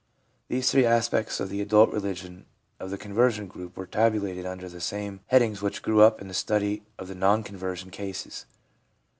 These three aspects of the adult religion of the conversion group were tabulated under the same head ings which grew up in the study of the non conversion cases.